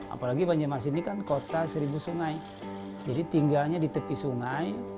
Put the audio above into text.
apalagi banjarmasin ini kan kota seribu sungai jadi tinggalnya di tepi sungai